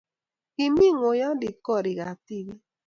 kimi ng'oyondit koriikab tibik.